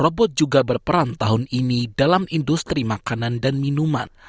robot juga berperan tahun ini dalam industri makanan dan minuman